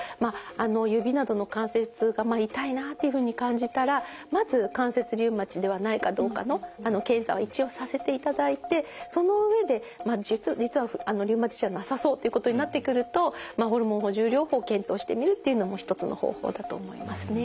指などの関節が痛いなっていうふうに感じたらまず関節リウマチではないかどうかの検査を一応させていただいてその上で実はリウマチじゃなさそうっていうことになってくるとホルモン補充療法を検討してみるっていうのも一つの方法だと思いますね。